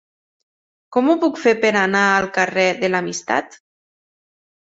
Com ho puc fer per anar al carrer de l'Amistat?